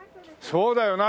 そうだよな。